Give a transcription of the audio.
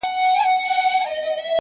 • دې مقام ته بل څوک نه وه رسېدلي -